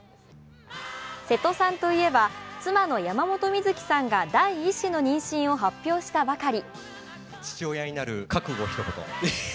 瀬戸さんといえば、妻の山本美月さんが第１子の妊娠を発表したばかり。